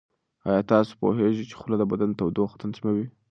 ایا تاسو پوهیږئ چې خوله د بدن تودوخه تنظیموي؟